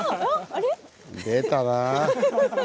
出たな。